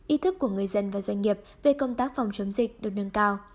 ý thức của người dân và doanh nghiệp về công tác phòng chống dịch được nâng cao